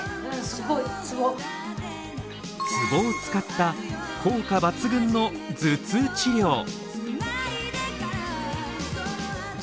ツボを使った効果抜群の頭痛治療。